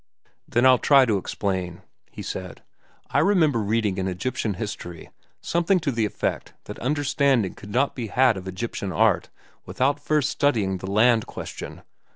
"Then I'll try to explain," he said. "I remember reading in Egyptian history something to the effect that understanding could not be had of Egyptian art without first studying the land question."